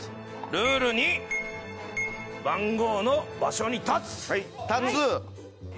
ルール２、番号の場所に立つ！